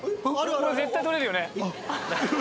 これ絶対取れるよね。